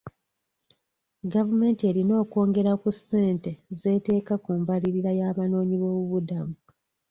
Gavumenti erina okwongera ku ssente z'eteeka ku mbaririra y'abanoonyiboobubudamu.